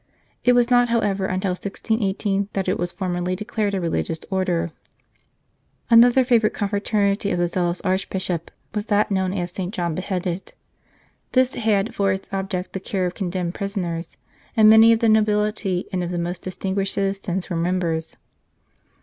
It was not, however, until 1618 that it was formerly declared a Religious Order. Another favourite confraternity of the zealous Archbishop was that known as St. John the 122 The Christian Doctrine Beheaded. This had for its object the care of condemned prisoners, and many of the nobility and of the most distinguished citizens were members.